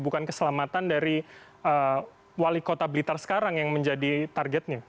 bukan keselamatan dari wali kota blitar sekarang yang menjadi targetnya